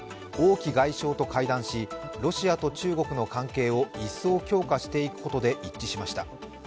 王毅外相と会談しロシアと中国の関係を一層強化していくことで一致しました。